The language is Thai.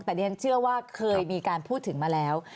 แต่ดิฉันเชื่อว่าเคยมีการพูดถึงมาแล้ว